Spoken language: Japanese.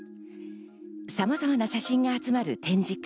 さまざまな写真が集まる展示会。